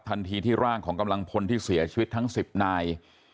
ทันทีที่ร่างของกำลังพลที่เสียชีวิตทั้ง๑๐นาย